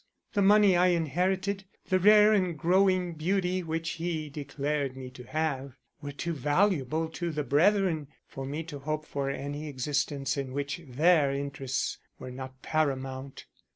The money I inherited, the rare and growing beauty which he declared me to have, were too valuable to the brethren for me to hope for any existence in which their interests were not paramount.